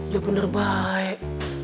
ya bener baik